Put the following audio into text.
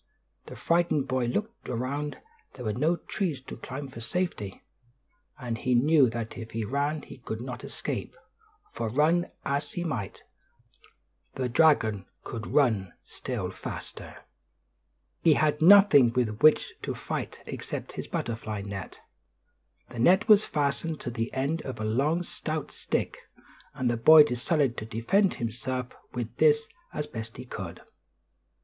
The frightened boy looked around; there were no trees to climb for safety, and he knew that if he ran he could not escape, for run as he might, the dragon could run still faster. [Illustration: "WOW," SHRIEKED THE DRAGON] He had nothing with which to fight except his butterfly net. The net was fastened to the end of a long stout stick, and the boy decided to defend himself with this as best he could.